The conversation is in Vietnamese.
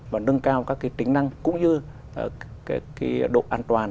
và nâng cao các cái tính năng cũng như độ an toàn